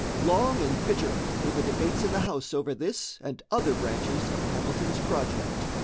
Long and bitter were the debates in the House over this and other branches of Hamilton's project.